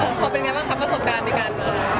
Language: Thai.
เป็นยังไงบ้างครับประสบการณ์ด้วยกัน